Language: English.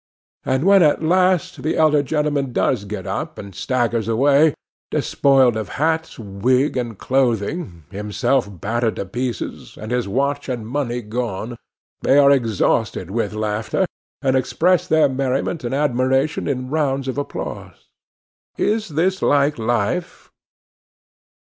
And when at last the elderly gentleman does get up, and staggers away, despoiled of hat, wig, and clothing, himself battered to pieces, and his watch and money gone, they are exhausted with laughter, and express their merriment and admiration in rounds of applause. Is this like life?